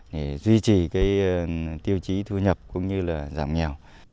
để duy trì cái tiêu chí thu nhập cũng như là giảm nghèo